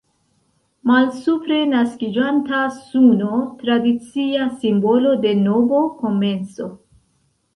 Malsupre, naskiĝanta suno, tradicia simbolo de novo komenco.